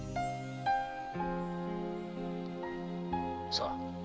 さあ。